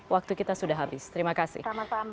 waktu kita sudah habis terima kasih